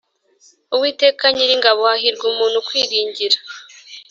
Uwiteka Nyiringabo Hahirwa umuntu ukwiringira